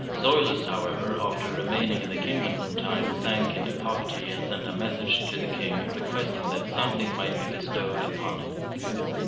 Zoilus, however, after remaining in the kingdom some time, sank into poverty, and sent a message to the king, requesting that something might be bestowed upon him.